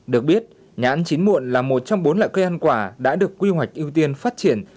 được biết nhãn chín muộn là một trong bốn loại cây ăn quả đã được quy hoạch ưu tiên phát triển